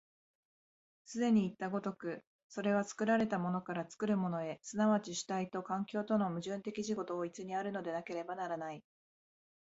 既にいった如く、それは作られたものから作るものへ、即ち主体と環境との矛盾的自己同一にあるのでなければならない。